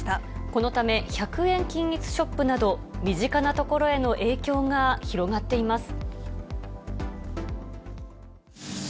このため１００円均一ショップなど、身近なところへの影響が広がっています。